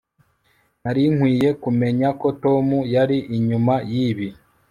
nari nkwiye kumenya ko tom yari inyuma yibi